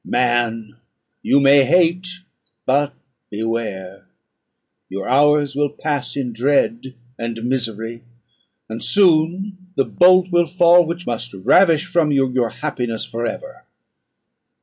Man! you may hate; but beware! your hours will pass in dread and misery, and soon the bolt will fall which must ravish from you your happiness for ever.